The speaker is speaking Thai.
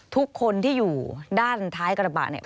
ทุกคนที่อยู่ด้านท้ายกระบะเนี่ย